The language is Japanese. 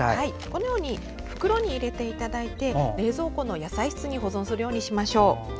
このように袋に入れていただいて冷蔵庫の野菜室に保存するようにしましょう。